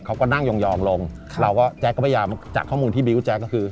เขาก็นั่งยองลงเราก็แจ๊กก็พยายามจากข้อมูลที่บิวตแจ๊คก็คือ